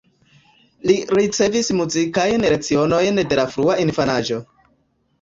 Li ricevis muzikajn lecionojn de la frua infanaĝo.